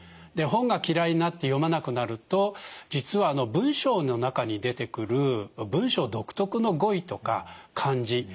本が嫌いになって読まなくなると実は文章の中に出てくる文章独特の語彙とか漢字